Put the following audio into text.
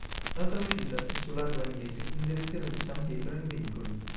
L'altra uscita è su largo Agnesi in direzione di San Pietro in Vincoli.